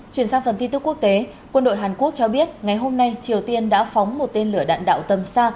chuyển sang phần tin tức quốc tế quân đội hàn quốc cho biết ngày hôm nay triều tiên đã phóng một tên lửa đạn đạo tầm xa